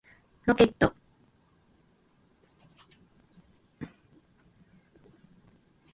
ロケット